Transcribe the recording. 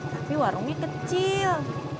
tapi warungnya kecil